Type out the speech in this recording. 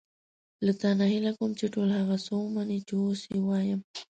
له تا نه هیله کوم چې ټول هغه څه ومنې چې اوس یې وایم.